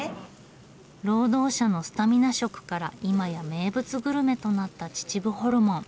労働者のスタミナ食からいまや名物グルメとなった秩父ホルモン。